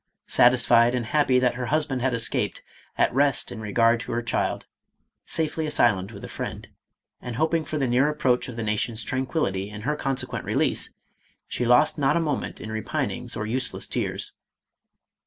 Satisfied and happy that her husband had escaped, at rest in regard to her child, safely asylumned with a friend, and hoping for the near approach of the nation's tranquillity and her consequent release, she lost not a moment in repinings or useless tears.